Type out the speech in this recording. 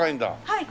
はい。